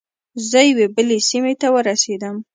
زه یوې بلې سیمې ته ورسیدم.